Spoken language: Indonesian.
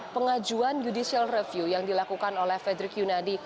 pengajuan judicial review yang dilakukan oleh frederick yunadi